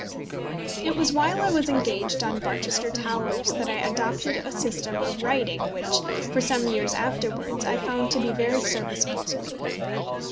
It was while I was engaged on Barchester Towers that I adopted a system of writing which, for some years afterwards, I found to be very serviceable to me.